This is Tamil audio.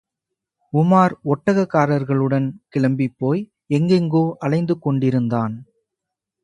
உமார் ஒட்டகக்காரர்களுடன் கிளம்பிப்போய் எங்கெங்கோ அலைந்து கொண்டிருந்தான்.